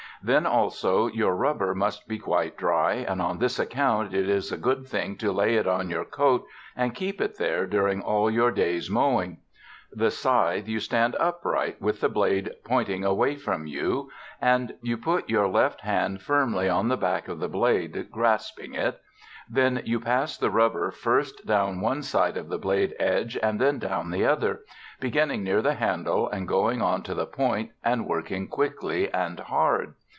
Then also your rubber must be quite dry, and on this account it is a good thing to lay it on your coat and keep it there during all your day's mowing. The scythe you stand upright, with the blade pointing away from you, and put your left hand firmly on the back of the blade, grasping it: then you pass the rubber first down one side of the blade edge and then down the other, beginning near the handle and going on to the point and working quickly and hard.